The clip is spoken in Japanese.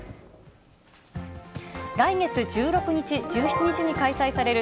来月１６日、１７日に開催される